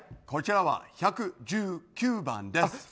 こちらは１１９番です。